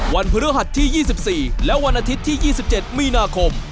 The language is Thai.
พฤหัสที่๒๔และวันอาทิตย์ที่๒๗มีนาคม